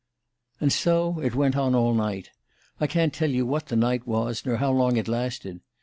"And so it went on all night. I can't tell you what that night was, nor how long it lasted.